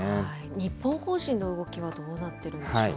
日本法人の動きはどうなっているんでしょう。